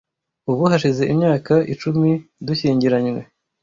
Ubu hashize imyaka icumi dushyingiranywe.